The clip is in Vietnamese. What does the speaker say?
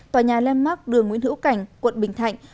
tòa nhà lemmark đường nguyễn hữu cảnh quận bình thạnh